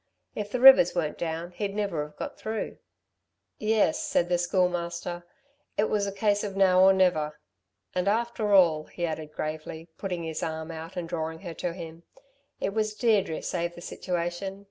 If the rivers were down he'd never've got through." "Yes," said the Schoolmaster. "It was a case of now or never." "And, after all," he added gravely, putting his arm out and drawing her to him, "it was Deirdre saved the situation.